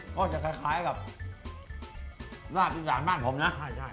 ก็จะคล้ายคล้ายกับราบจิบสารบ้านผมนะใช่ใช่